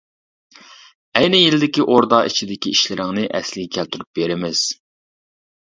ئەينى يىلدىكى ئوردا ئىچىدىكى ئىشلىرىڭنى ئەسلىگە كەلتۈرۈپ بېرىمىز.